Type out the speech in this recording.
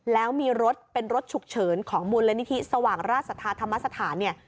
แล้วมีรถเป็นรถฉุกเฉินของมูลนิธิสว่างราชธรรมสถาน